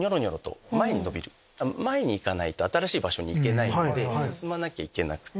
前に行かないと新しい場所に行けないので進まなきゃいけない。